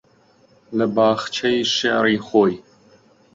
لە باخچەی شێعری خۆی